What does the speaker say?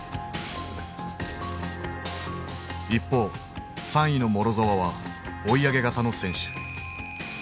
一方３位のモロゾワは追い上げ型の選手。